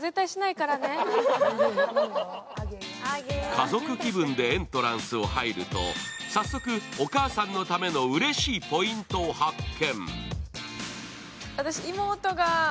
家族気分でエントランスを入ると、早速、お母さんのためのうれしいポイントを発見。